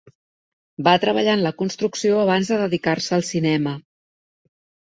Va treballar en la construcció abans de dedicar-se al cinema.